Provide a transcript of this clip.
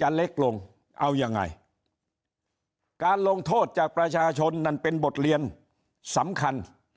จะเล็กลงเอายังไงการลงโทษจากประชาชนนั่นเป็นบทเรียนสำคัญ